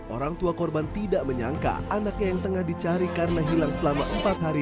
orang tua korban tidak menyangka anaknya yang tengah dicari karena hilang selama empat hari